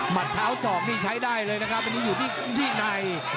เท้าศอกนี่ใช้ได้เลยนะครับอันนี้อยู่ที่ใน